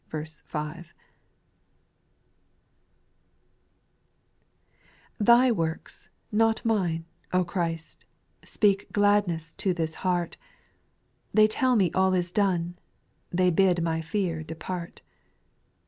rFHY works, not mine, O Christ I X Speak gladness to this heart ; They tell me ail is done ; They bid my fear depart.